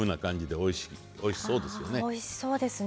おいしそうですね。